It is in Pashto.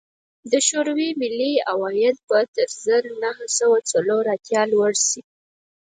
د شوروي ملي عواید به تر زر نه سوه څلور اتیا لوړ شي